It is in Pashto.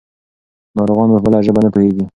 ناروغان په بله ژبه نه پوهېږي.